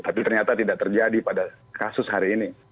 tapi ternyata tidak terjadi pada kasus hari ini